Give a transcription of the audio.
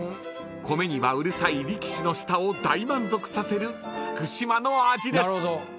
［米にはうるさい力士の舌を大満足させる福島の味です］